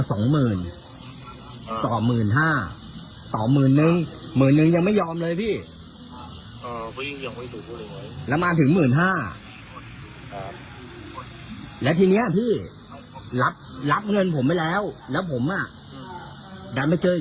พวกนี้ก็ไม่ต้องคุยกันได้เมื่อกี้อ่ะพี่เขาเรียกผมมาสองหมื่น